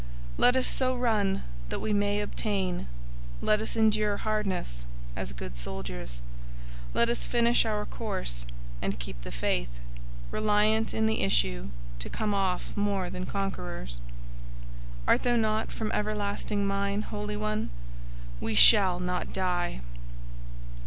Let us so run that we may obtain: let us endure hardness as good soldiers; let us finish our course, and keep the faith, reliant in the issue to come off more than conquerors: "Art thou not from everlasting mine Holy One? WE SHALL NOT DIE!"